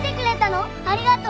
ありがとう。